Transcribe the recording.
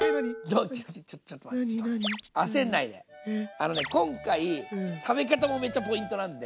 あのね今回食べ方もめっちゃポイントなんで。